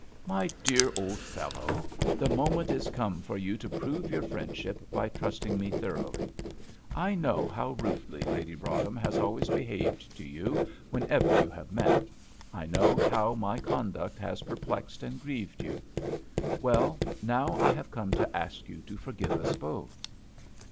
"My dear old fellow, the moment is come for you to prove your friendship by trusting me thoroughly. I know how rudely Lady Broadhem has always behaved to you whenever you have met I know how my conduct has perplexed and grieved you. Well, now, I have come to ask you to forgive us both."